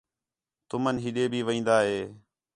تُمن ہِݙٖے بھی وین٘دا ہِے